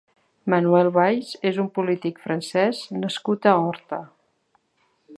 Manuel Valls és un polític francès nascut a Horta.